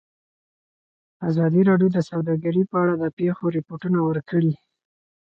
ازادي راډیو د سوداګري په اړه د پېښو رپوټونه ورکړي.